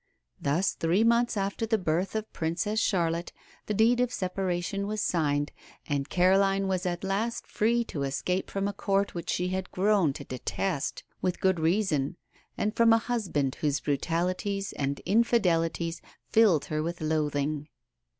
Thus, three months after the birth of the Princess Charlotte, the deed of separation was signed, and Caroline was at last free to escape from a Court which she had grown to detest, with good reason, and from a husband whose brutalities and infidelities filled her with loathing.